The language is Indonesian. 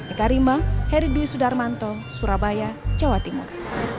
eka rima heri dwi sudarmanto surabaya jawa timur